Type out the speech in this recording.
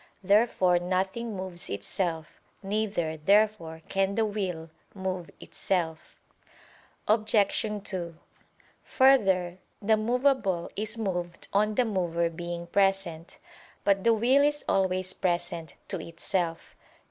Therefore nothing moves itself. Neither, therefore, can the will move itself. Obj. 2: Further, the movable is moved on the mover being present. But the will is always present to itself.